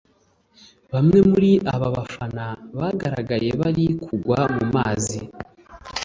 Bamwe muri aba bafana bagaragaye bari kugwa mu mazi